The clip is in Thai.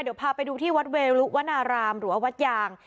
เดี๋ยวพาไปดูที่วัดเวลุะหรือว่านาลามหรือวัดยาง